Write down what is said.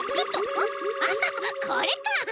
ああこれか！